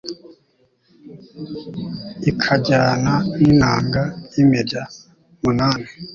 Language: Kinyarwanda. ikajyana n'inanga y'imirya munani